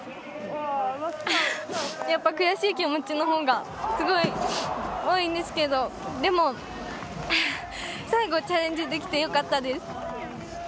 やっぱ悔しい気持ちのほうがすごい多いんですけどでも最後チャレンジできてよかったです。